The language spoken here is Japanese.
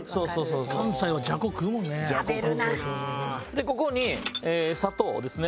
でここに砂糖ですね。